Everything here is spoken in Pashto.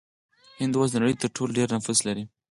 هند اوس د نړۍ تر ټولو ډیر نفوس لري.